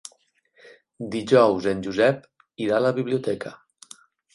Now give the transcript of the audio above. Dijous en Josep irà a la biblioteca.